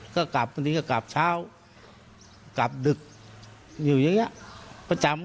ก็กลับบางทีก็กลับเช้ากลับดึกอยู่อย่างนี้ประจำ